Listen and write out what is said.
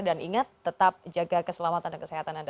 dan ingat tetap jaga keselamatan dan kesehatan anda